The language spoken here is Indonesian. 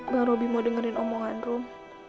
bang robby mau dengerin omongan rom